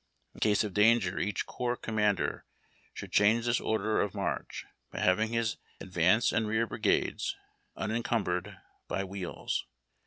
In case of danger each corps commander should cliange this order of march, by having his advance and rear brigades unencumbered by wheels.